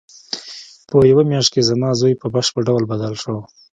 په یوه میاشت کې زما زوی په بشپړ ډول بدل شو